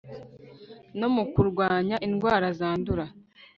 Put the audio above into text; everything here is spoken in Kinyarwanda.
no mu kurwanya indwara zandura